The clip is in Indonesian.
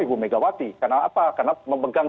ibu megawati karena apa karena memegang